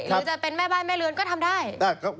หรือจะเป็นแม่บ้านแม่เรือนก็ทำได้